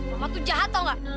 mama tuh jahat tau gak